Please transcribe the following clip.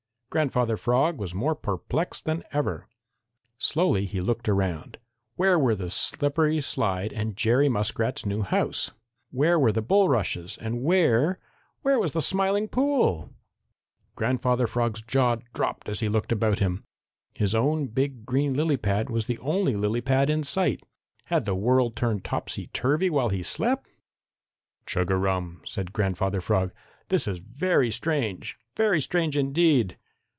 Grandfather Frog was more perplexed than ever. Slowly he looked around. Where were the slippery slide and Jerry Muskrat's new house? Where were the bulrushes and where where was the Smiling Pool? Grandfather Frog's jaw dropped as he looked about him. His own big green lily pad was the only lily pad in sight. Had the world turned topsy turvy while he slept? "Chug a rum!" said Grandfather Frog. "This is very strange, very strange, indeed!"